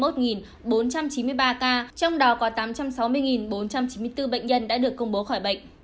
trong đó có tám trăm sáu mươi bốn trăm chín mươi bốn bệnh nhân đã được công bố khỏi bệnh